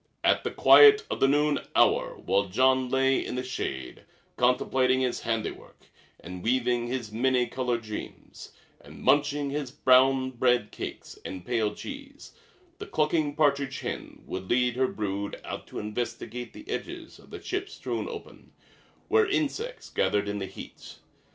At the quiet of the noon hour, while Jean lay in the shade contemplating his handiwork, and weaving his many colored dreams, and munching his brown bread cakes and pale cheese, the clucking partridge hen would lead her brood out to investigate the edges of the chip strewn open, where insects gathered in the heat.